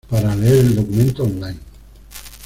Para leer el documento On Line